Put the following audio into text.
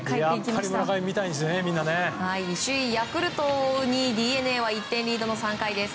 首位、ヤクルトを追う２位、ＤｅＮＡは１点リードの３階です。